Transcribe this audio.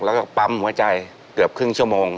แล้วก็ปั๊มหัวใจเกือบครึ่งชั่วโมง